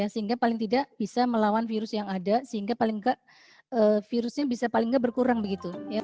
sehingga paling tidak bisa melawan virus yang ada sehingga paling tidak virusnya bisa paling nggak berkurang begitu